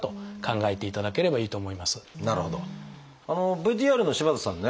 ＶＴＲの柴田さんね